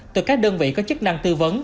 từ các đơn vị có chức năng tư vấn